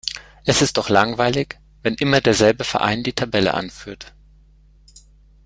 Es ist doch langweilig, wenn immer derselbe Verein die Tabelle anführt.